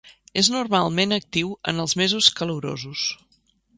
És normalment actiu en els mesos calorosos.